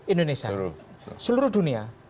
indonesia seluruh dunia